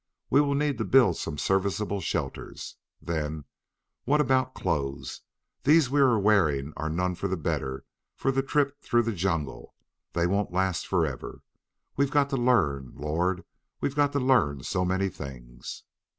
We will need to build some serviceable shelters. Then, what about clothes? These we are wearing are none the better for the trip through the jungle: they won't last forever. We've got to learn Lord! we've got to learn so many things!"